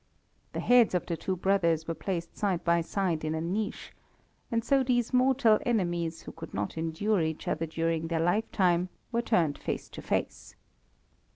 The heads of the two brothers were placed side by side in a niche, and so these mortal enemies, who could not endure each other during their life time, were turned face to face.